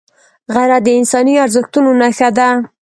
غیرت د انساني ارزښتونو نښه ده